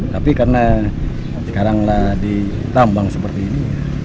tapi karena sekarang lah di tambang seperti ini